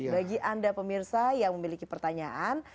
bagi anda pemirsa yang memiliki pertanyaan